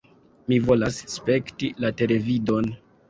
Mi volas spekti la televidon!